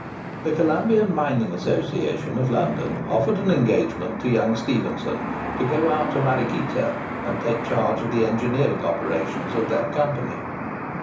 The Columbian Mining Association of London offered an engagement to young Stephenson, to go out to Mariquita and take charge of the engineering operations of that company.